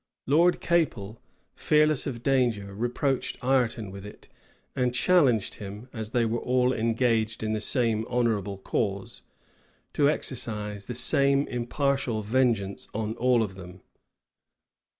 Lord Capel, fearless of danger, reproached Ireton with it; and challenged him, as they were all engaged in the same honorable cause, to exercise the same impartial vengeance on all of them.